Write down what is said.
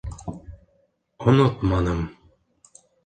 - Онотманым...